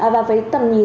và với tầm nhìn